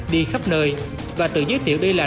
đi khắp nơi và tự giới thiệu đây là